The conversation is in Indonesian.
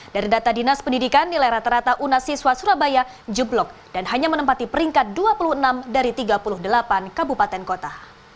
dari data dinas pendidikan nilai rata rata unas siswa surabaya jeblok dan hanya menempati peringkat dua puluh enam dari tiga puluh delapan kabupaten kota